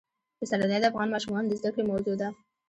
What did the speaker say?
پسرلی د افغان ماشومانو د زده کړې موضوع ده.